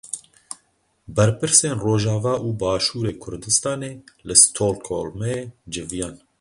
Berpirsên Rojava û Başûrê Kurdistanê li Stockholmê civiyan.